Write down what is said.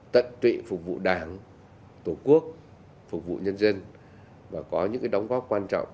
tận tụy phục vụ đảng tổ quốc phục vụ nhân dân và có những đóng góp quan trọng